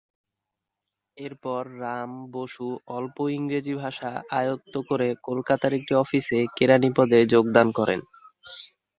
এরপর রাম বসু অল্প ইংরেজি ভাষা আয়ত্ত করে কলকাতার একটি অফিসে কেরানি পদে যোগদান করেন।